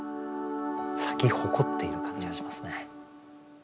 咲き誇っている感じがしますね。